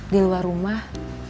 di luar rumah